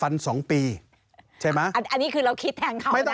อันนี้คือเราคิดแทนเขานะ